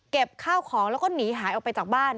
ข้าวของแล้วก็หนีหายออกไปจากบ้าน